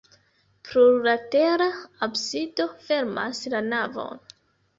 Plurlatera absido fermas la navon.